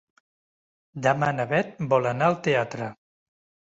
Demà na Bet vol anar al teatre.